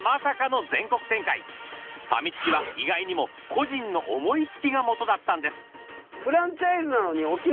ファミチキは意外にも個人の思い付きがモトだったんです。